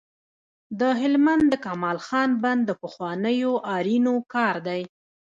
د هلمند د کمال خان بند د پخوانیو آرینو کار دی